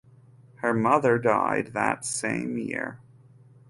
Her mother died that same year.